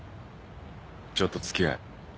ちょっと付き合え。